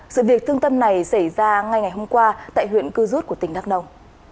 sự việc thương tâm này xảy ra ngay ngày hôm qua tại huyện cư rút của tỉnh đắk nông